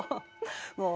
もう。